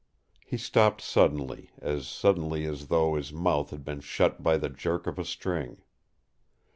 He stopped suddenly, as suddenly as though his mouth had been shut by the jerk of a string.